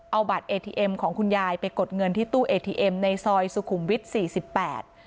เอาบัตรเอทีเอ็มของคุณยายไปกดเงินที่ตู้เอทีเอ็มในซอยสุขุมวิทย์สี่สิบแปด